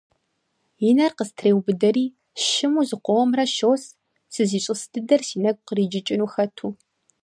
И нэр къыстреубыдэри, щыму зыкъомрэ щос, сызищӀыс дыдэр си нэгу къриджыкӀыну хэту.